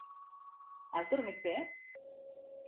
Has dormit bé?